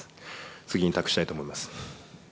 次に託したいと思います。